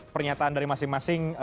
pernyataan dari masing masing